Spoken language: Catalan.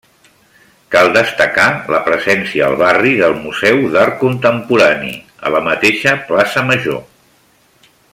Cal destacar la presència al barri del Museu d'Art Contemporani, a la mateixa plaça Major.